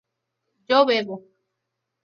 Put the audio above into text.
yo bebo